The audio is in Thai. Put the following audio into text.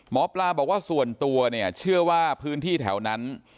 หมอปลาบอกว่าส่วนตัวเนี่ยเชื่อว่าพื้นที่แถวนั้น